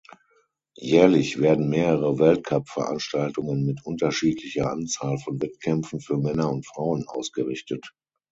Jährlich werden mehrere Weltcup-Veranstaltungen mit unterschiedlicher Anzahl von Wettkämpfen für Männer und Frauen ausgerichtet.